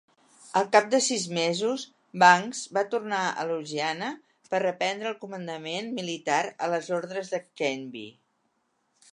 Al cap de sis mesos, Banks va tornar a Louisiana per reprendre el comandament militar a les ordres de Canby.